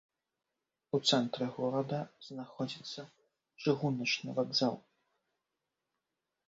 У цэнтры горада знаходзіцца чыгуначны вакзал.